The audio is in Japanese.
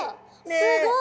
すごい。